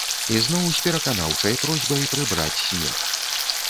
І зноў з пераканаўчай просьбай прыбраць снег.